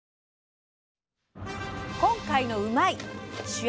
今回の「うまいッ！」。